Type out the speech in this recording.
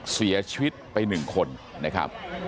เสียชีวิตไปหนึ่งคนนะครับ